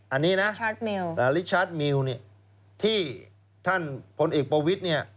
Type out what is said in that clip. อันนี้นะอาริชาร์ดมิวที่ท่านพลีเอกพโปรวิธเนี่ย